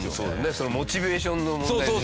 そのモチベーションの問題でしょ？